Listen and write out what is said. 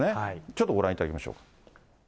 ちょっとご覧いただきましょう。